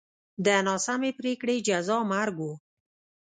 د ناسمې پرېکړې جزا مرګ و.